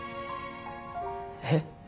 えっ？